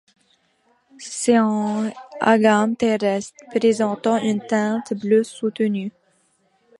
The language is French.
C'est un agame terrestre, présentant une teinte bleue soutenue.